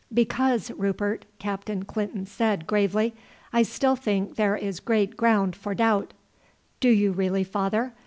"Because, Rupert," Captain Clinton said gravely, "I still think there is great ground for doubt." "Do you really, father?